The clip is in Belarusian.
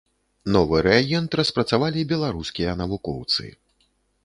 Новы рэагент распрацавалі беларускія навукоўцы.